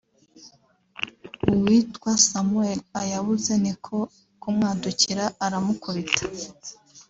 uwitwa Samuel ayabuze ni ko kumwadukira aramukubita